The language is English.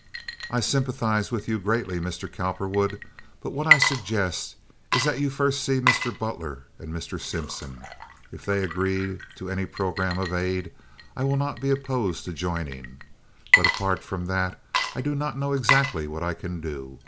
"I sympathize with you greatly, Mr. Cowperwood, but what I suggest is that you first See Mr. Butler and Mr. Simpson. If they agree to any program of aid, I will not be opposed to joining. But apart from that I do not know exactly what I can do.